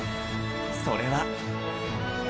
それは。